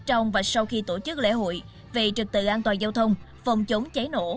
trong và sau khi tổ chức lễ hội về trực tự an toàn giao thông phòng chống cháy nổ